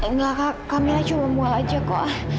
nggak kak camilla cuma mual aja kok